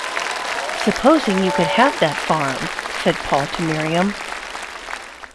“Supposing you could have that farm,” said Paul to Miriam.